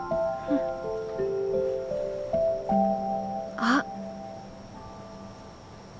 あっ。